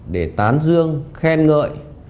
để tán dương khen ngợi